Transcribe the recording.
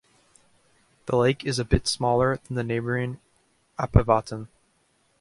The lake is a bit smaller than the neighbouring Apavatn.